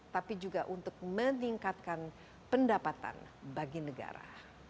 tapi juga untuk meningkatkan pendapatan bagi negara